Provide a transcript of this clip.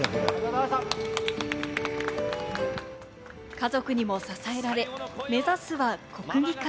家族にも支えられ、目指すは国技館。